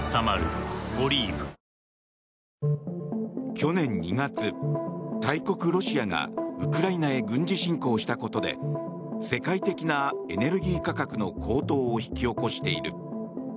去年２月、大国ロシアがウクライナへ軍事侵攻したことで世界的なエネルギー価格の高騰を引き起こしている。